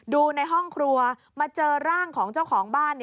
ดูในห้องครัวมาเจอร่างของเจ้าของบ้าน